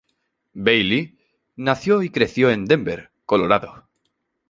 Bailey nació y creció en Denver, Colorado.